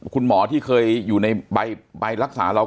คุณหมอที่เคยอยู่ในใบรักษาเรา